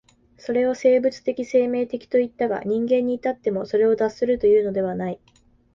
それを生物的生命的といったが、人間に至ってもそれを脱するというのではない。